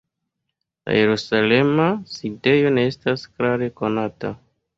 La jerusalema sidejo ne estas klare konata.